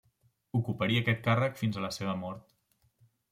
Ocuparia aquest càrrec fins a la seva mort.